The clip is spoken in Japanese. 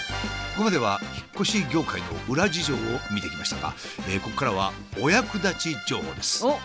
ここまでは引っ越し業界の裏事情を見てきましたがここからはお役立ち情報です。